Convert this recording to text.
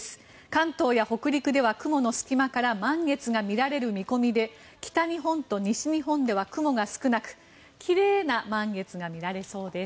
関東や北陸では雲の隙間から満月が見られる見込みで北日本と西日本では雲が少なくきれいな満月が見られそうです。